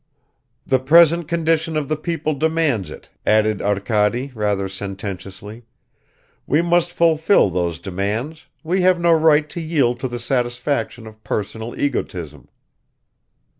"The present condition of the people demands it," added Arkady rather sententiously; "we must fulfill those demands, we have no right to yield to the satisfaction of personal egotism."